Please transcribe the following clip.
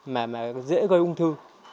mà dễ gây ung thư